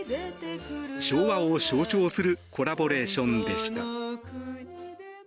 昭和を象徴するコラボレーションでした。